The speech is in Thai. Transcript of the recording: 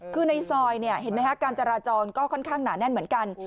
คือในซอยเนี่ยเห็นไหมฮะการจราจรก็ค่อนข้างหนาแน่นเหมือนกัน